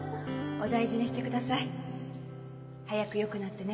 お大事にしてください。早く良くなってね。